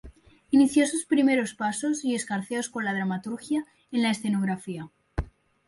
Inició sus primeros pasos y escarceos con la dramaturgia en la escenografía.